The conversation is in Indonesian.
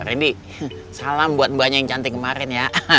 ini salam buat mbaknya yang cantik kemarin ya